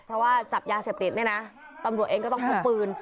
เพราะว่าจับยาเสพติดเนี่ยนะตำรวจเองก็ต้องพกปืน